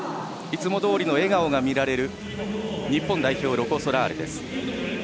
いつもどおりの笑顔が見られる日本代表、ロコ・ソラーレです。